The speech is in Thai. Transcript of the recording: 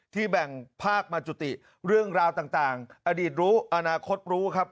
แบ่งภาคมาจุติเรื่องราวต่างอดีตรู้อนาคตรู้ครับ